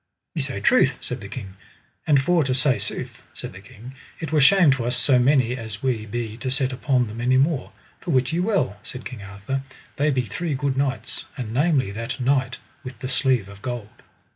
Ye say truth, said the king; and for to say sooth, said the king, it were shame to us so many as we be to set upon them any more; for wit ye well, said King Arthur, they be three good knights, and namely that knight with the sleeve of gold.